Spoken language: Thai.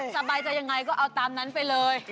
สบายจะยังไงก็เอาตามนั้นไปเลย